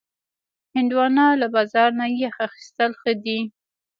هندوانه له بازار نه یخ اخیستل ښه دي.